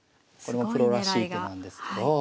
これもプロらしい手なんですけど。